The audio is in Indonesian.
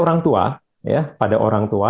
nah pada orang tua